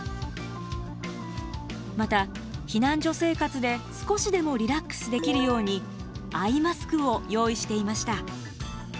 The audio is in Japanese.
また避難所生活で少しでもリラックスできるようにアイマスクを用意していました。